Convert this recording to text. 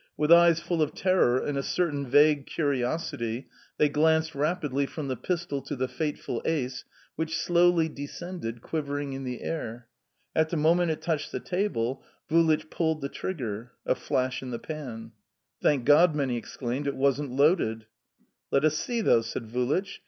With eyes full of terror and a certain vague curiosity they glanced rapidly from the pistol to the fateful ace, which slowly descended, quivering in the air. At the moment it touched the table Vulich pulled the trigger... a flash in the pan! "Thank God!" many exclaimed. "It wasn't loaded!" "Let us see, though," said Vulich.